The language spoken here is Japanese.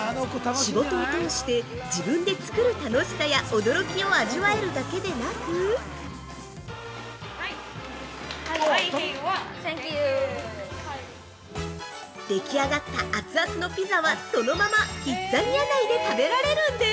◆仕事を通して、自分で作る楽しさや驚きを味わえるだけでなくでき上がった熱々のピザはそのままキッザニア内で食べられるんです。